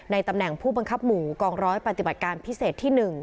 ตำแหน่งผู้บังคับหมู่กองร้อยปฏิบัติการพิเศษที่๑